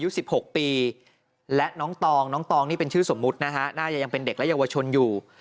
ตื่นแล้วอ้าวน้ำไม่สะอาดน้ำจะบวกเขายังมาอยู่ครับ